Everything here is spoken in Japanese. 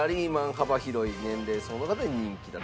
幅広い年齢層の方に人気だと。